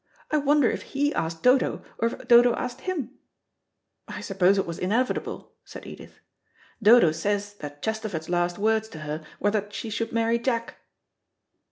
I wonder if he asked Dodo, or if Dodo asked him." "I suppose it was inevitable," said Edith. "Dodo says that Chesterford's last words to her were that she should marry Jack."